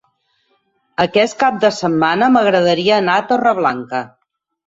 Aquest cap de setmana m'agradaria anar a Torreblanca.